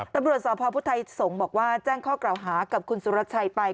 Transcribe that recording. ตำรวจสพพุทธไทยสงฆ์บอกว่าแจ้งข้อกล่าวหากับคุณสุรชัยไป